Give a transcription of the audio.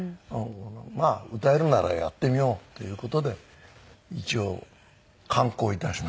まあ歌えるならやってみようっていう事で一応敢行いたしました。